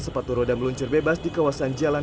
sepatu roda meluncur bebas di kawasan jalan